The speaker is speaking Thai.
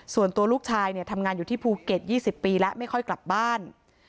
ส่วนตัวลูกชายทำงานอยู่ที่ภูเก็ต๒๐ปีแล้วไม่ค่อยกลับบ้าน